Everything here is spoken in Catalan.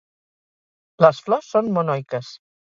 Les flors són monoiques.